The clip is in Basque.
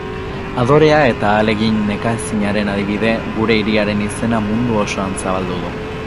Adorea eta ahalegin nekaezinaren adibide, gure hiriaren izena mundo osoan zabaldu du.